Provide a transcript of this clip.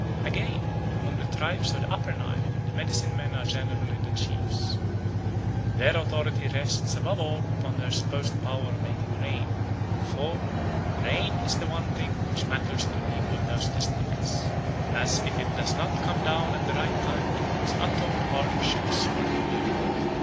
Again, among the tribes of the Upper Nile the medicine men are generally the chiefs. Their authority rests above all upon their supposed power of making rain, for "rain is the one thing which matters to the people in those districts, as if it does not come down at the right time it means untold hardships for the community.